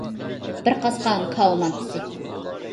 بىر قاسقان كاۋا مانتىسى.